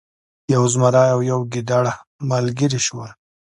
یو زمری او یو ګیدړه ملګري شول.